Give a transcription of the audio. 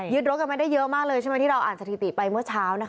รถกันไม่ได้เยอะมากเลยใช่ไหมที่เราอ่านสถิติไปเมื่อเช้านะคะ